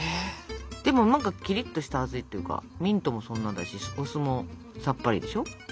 でも何かキリッとした味っていうかミントもそんなだしお酢もさっぱりでしょ？